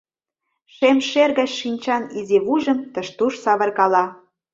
Шем шер гай шинчан изи вуйжым тыш-туш савыркала.